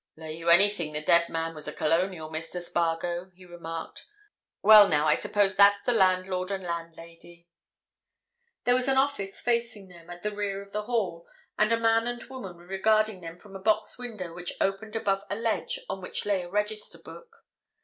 "Lay you anything the dead man was a Colonial, Mr. Spargo," he remarked. "Well, now, I suppose that's the landlord and landlady." There was an office facing them, at the rear of the hall, and a man and woman were regarding them from a box window which opened above a ledge on which lay a register book.